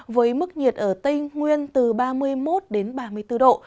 với mức nhiệt ở tây nguyên từ ba mươi một đến ba mươi bốn độ